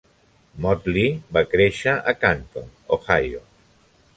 Motley va créixer a Canton, Ohio.